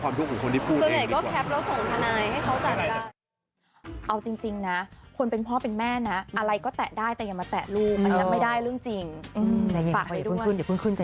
ฝากให้ด้วยใจเย็นเดี๋ยวพูดขึ้นใจเย็น